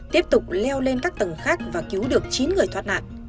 tiếp tục leo lên các tầng khác và cứu được chín người thoát nạn